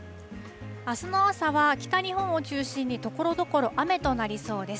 あすの朝は北日本を中心に、ところどころ雨となりそうです。